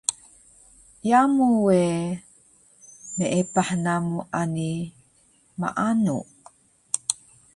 Yamu we meepah namu ani maanu